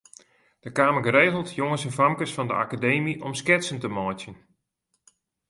Der kamen geregeld jonges en famkes fan de Akademy om sketsen te meitsjen.